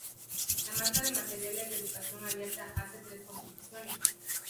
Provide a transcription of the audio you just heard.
La marca de materiales de Educación abierta hace tres contribuciones.